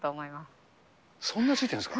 そんなついてるんですか。